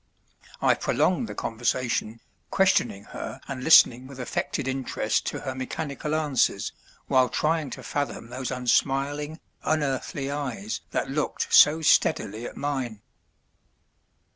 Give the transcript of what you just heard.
I prolonged the conversation, questioning her and listening with affected interest to her mechanical answers, while trying to fathom those unsmiling, unearthly eyes that looked so steadily at mine.